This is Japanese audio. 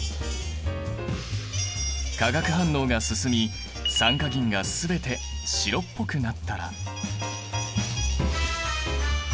化学反応が進み酸化銀が全て白っぽくなったら。